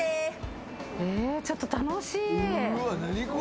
ちょっと楽しい。